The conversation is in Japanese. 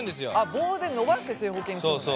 棒で伸ばして正方形にするのね。